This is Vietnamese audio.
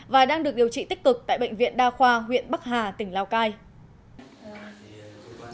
và đang được điều trị tích cực tại bệnh viện đa khoa huyện bắc hà tỉnh lào cai